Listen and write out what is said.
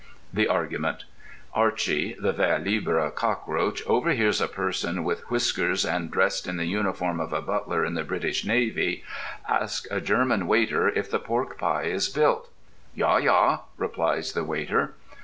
The Argument: Archy, the vers libre cockroach, overhears a person with whiskers and dressed in the uniform of a butler in the British Navy, ask a German waiter if the pork pie is built. Ja, Ja, replies the waiter.